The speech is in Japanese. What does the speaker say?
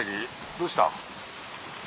どうした？